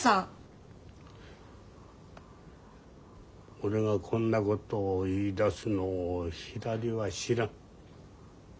俺がこんなことを言いだすのをひらりは知らん。